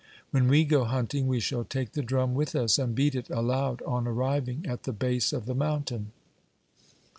When we go hunting, we shall take the drum with us, and beat it aloud on arriving at the base of the mountain.'